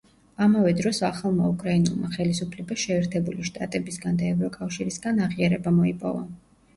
ამავე დროს ახალმა უკრაინულმა ხელისუფლება შეერთებული შტატებისგან და ევროკავშირისგან აღიარება მოიპოვა.